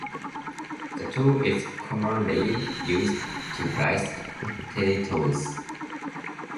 This tool is commonly used to rice potatoes.